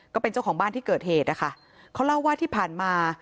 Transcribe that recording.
ก็เป็นเจ้าของบ้านที่เกิดเหตุนะคะเขาเล่าว่าที่ผ่านมา